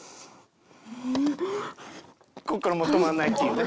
こっからもう止まらないっていうね。